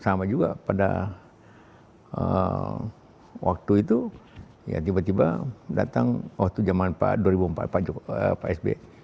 sama juga pada waktu itu ya tiba tiba datang waktu zaman pak dua ribu empat pak sb